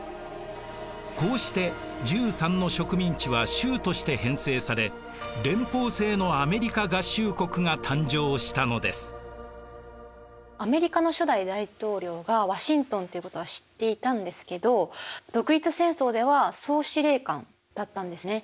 こうして１３の植民地は州として編成されアメリカの初代大統領がワシントンっていうことは知っていたんですけど独立戦争では総司令官だったんですね。